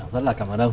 rất là cảm ơn ông